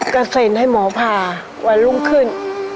ก็เซ็นให้หมอพาวันรุ่งขึ้น